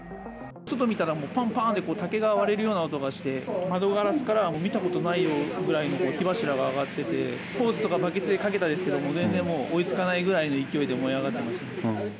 外見たら、ぽんぽんって竹が割れるような音がして、窓ガラスからもう見たことないぐらいの火柱が上がってて、ホースとかバケツでかけたんですけど、でも追いつかないぐらいの勢いで燃え上っていました。